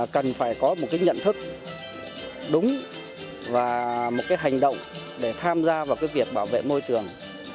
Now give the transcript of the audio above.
cần phải có một nhận thức đúng và một hành động để tham gia vào việc bảo vệ môi trường